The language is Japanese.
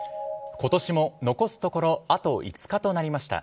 ことしも残すところあと５日となりました。